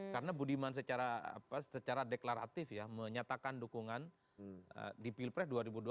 karena budiman secara deklaratif ya menyatakan dukungan di pilpre dua ribu dua puluh empat